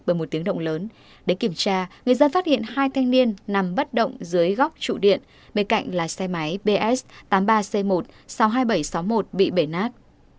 bởi một tiếng động lớn đến kiểm tra người dân phát hiện hai thanh niên nằm bất động dưới góc trụ điện bên cạnh là xe máy bs tám mươi ba c một sáu mươi hai nghìn bảy trăm sáu mươi một bị bể nát